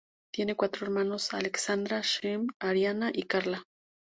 Tiene cuatro hermanos: Alessandra, Shen, Ariana y Carla.